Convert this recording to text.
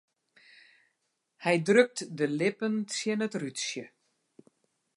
Hy drukt de lippen tsjin it rútsje.